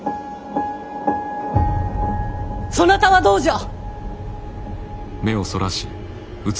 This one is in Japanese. そなたはどうじゃ！